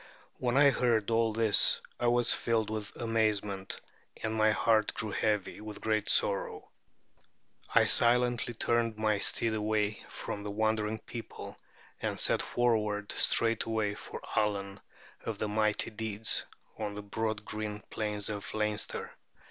When I heard all this I was filled with amazement, and my heart grew heavy with great sorrow. I silently turned my steed away from the wondering people, and set forward straightway for Allen of the mighty deeds, on the broad green plains of Leinster.